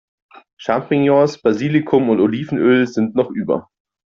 Champignons, Basilikum und Olivenöl sind noch über.